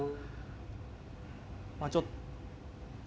まあちょっと。